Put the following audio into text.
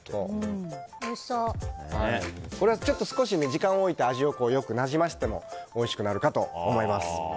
少し時間を置いて味をよくなじませてもおいしくなるかと思います。